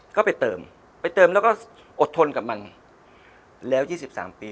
ก็ไปเติมไปเติมแล้วก็อดทนกับมันแล้ว๒๓ปี